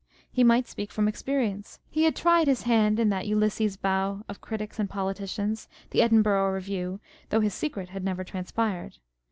He might speak from experience. He had tried his hand in that Ulysses' bow of critics and politicians, the Edinburgh Review, though his secret had never transpired.